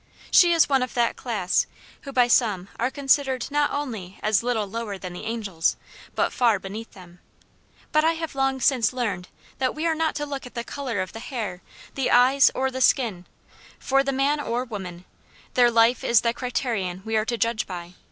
She is one of that class, who by some are considered not only as little lower than the angels, but far beneath them; but I have long since learned that we are not to look at the color of the hair, the eyes, or the skin, for the man or woman; their life is the criterion we are to judge by.